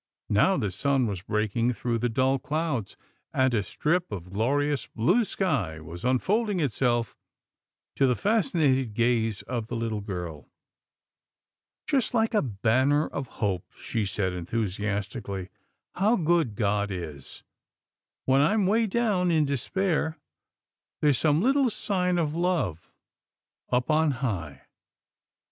Now the sun was breaking through the dull clouds, and a strip of glorious blue sky was unfolding itself to the fascinated gaze of the little girl. " Just like a banner of hope," she said, enthu siastically, how good God is. When I'm way down, in despair, there's some little sign of love up on high."